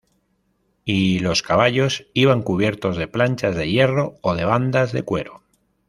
Y los caballos iban cubiertos de planchas de hierro o de bandas de cuero.